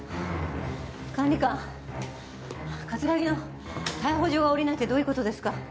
管理官葛城の逮捕状が下りないってどういうことですか！？